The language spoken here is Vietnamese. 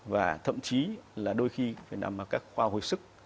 và thậm chí là đôi khi phải nằm ở các khoa hồi sức